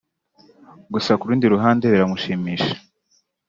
gusa ku rundi ruhande biramushimisha